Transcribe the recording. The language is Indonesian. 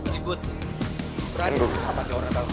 ribut berani lo pake orang tau disini